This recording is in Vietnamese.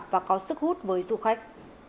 và có sức hút với du khách